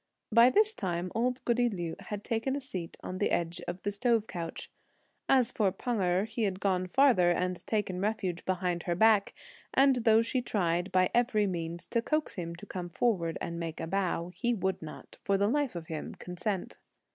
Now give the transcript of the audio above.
By this time old goody Liu had taken a seat on the edge of the stove couch. As for Pan Erh, he had gone further, and taken refuge behind her back; and though she tried, by every means, to coax him to come forward and make a bow, he would not, for the life of him, consent.